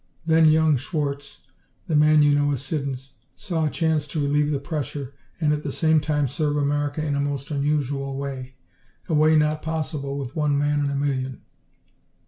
"Then young Schwarz the man you know as Siddons saw a chance to relieve the pressure and at the same time serve America in a most unusual way, a way not possible with one man in a million."